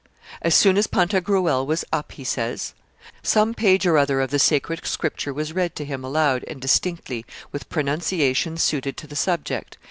'As soon as Pantagruel was up,' he says, 'some page or other of the sacred Scripture was read with him aloud and distinctly, with pronunciation suited to the subject.